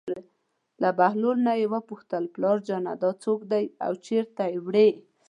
له بهلول نه یې وپوښتل: پلارجانه دا څوک دی او چېرته یې وړي.